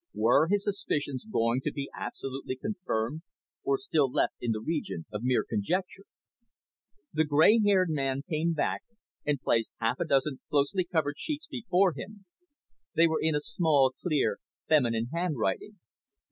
Were his suspicions going to be absolutely confirmed, or still left in the region of mere conjecture? The grey haired man came back, and placed half a dozen closely covered sheets before him. They were in a small, clear, feminine handwriting.